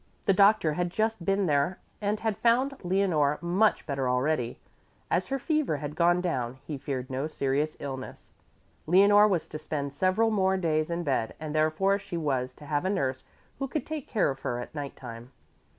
The doctor had just been there and had found Leonore much better already. As her fever had gone down, he feared no serious illness. Leonore was to spend several more days in bed and therefore she was to have a nurse who could also take care of her at night time.